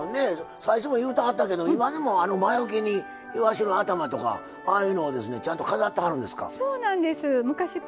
最初も言うてはったけど今でも魔よけに、いわしの頭とかああいうのをちゃんと飾ってはるんですか？